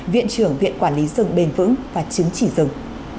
viện trưởng viện quản lý rừng bền vững và chứng chỉ rừng